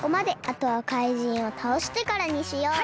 あとはかいじんをたおしてからにしよう。